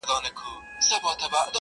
له دغي لويي وچي وځم؛